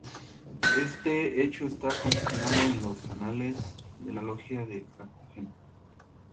Este hecho está consignado en los anales de la logia de Cartagena.